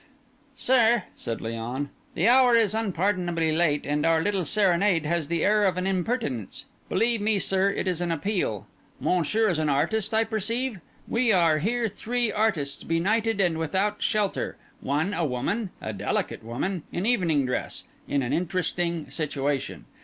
"Sir," said Léon, "the hour is unpardonably late, and our little serenade has the air of an impertinence. Believe me, sir, it is an appeal. Monsieur is an artist, I perceive. We are here three artists benighted and without shelter, one a woman—a delicate woman—in evening dress—in an interesting situation.